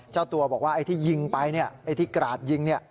เจ้าตัวบอกว่าไอ้ที่ยิงไปไอ้ที่กราดยิง